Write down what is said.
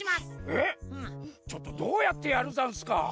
えっちょっとどうやってやるざんすか？